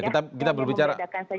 kita hanya berbicara